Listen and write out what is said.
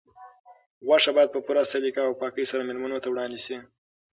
غوښه باید په پوره سلیقه او پاکۍ سره مېلمنو ته وړاندې شي.